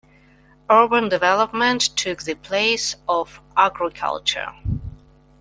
Urban development took the place of agriculture.